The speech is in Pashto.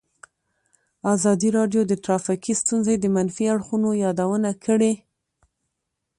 ازادي راډیو د ټرافیکي ستونزې د منفي اړخونو یادونه کړې.